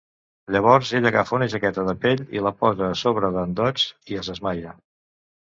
Llavors ell agafa una jaqueta de pell i la posa a sobre d'en Dodge i es desmaia.